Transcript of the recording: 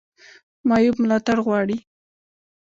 معیوب ملاتړ غواړي